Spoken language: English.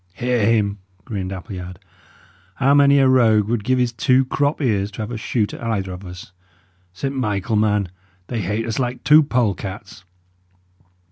"Hear him!" grinned Appleyard. "How many a rogue would give his two crop ears to have a shoot at either of us? Saint Michael, man! they hate us like two polecats!"